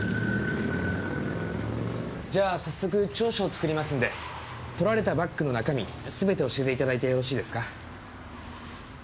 じゃあ調書を作りますんで盗られたバッグの中身すべて教えていただいてよろしいですか？